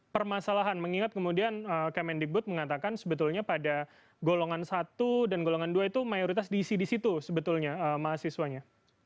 permasalahan mengingat kemudian kemendikbud mengatakan sebetulnya pada golongan satu dan golongan dua itu mayoritas diisi di situ sebetulnya mahasiswanya